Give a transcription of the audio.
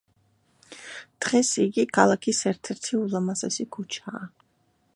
დღეს იგი ქალაქის ერთ-ერთი ულამაზესი ქუჩაა.